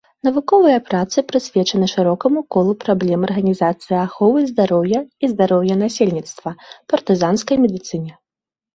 Навуковыя працы прысвечаны шырокаму колу праблем арганізацыі аховы здароўя і здароўя насельніцтва, партызанскай медыцыне.